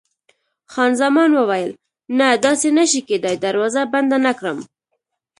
خان زمان وویل: نه، داسې نه شي کېدای، دروازه بنده نه کړم.